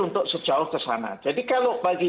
untuk sejauh ke sana jadi kalau bagi